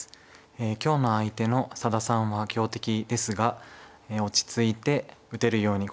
今日の相手の佐田さんは強敵ですが落ち着いて打てるように心掛けたいと思います。